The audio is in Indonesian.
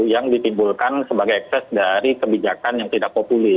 yang ditimbulkan sebagai ekses dari kebijakan yang tidak populis